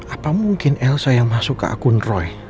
apa mungkin elsa yang masuk ke akun roy